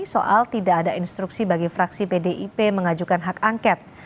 soal tidak ada instruksi bagi fraksi pdip mengajukan hak angket